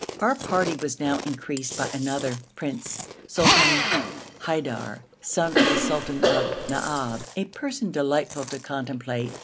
Our party was now increased by another 'prince,' Sultan Haidar, son of the sultan of Naab, a person delightful to contemplate.